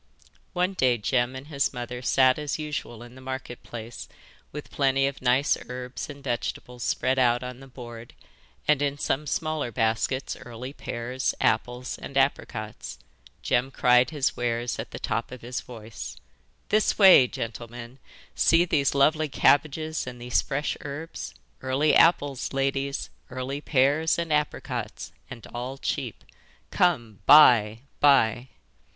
One day Jem and his mother sat as usual in the Market Place with plenty of nice herbs and vegetables spread out on the board, and in some smaller baskets early pears, apples, and apricots. Jem cried his wares at the top of his voice: 'This way, gentlemen! See these lovely cabbages and these fresh herbs! Early apples, ladies; early pears and apricots, and all cheap. Come, buy, buy!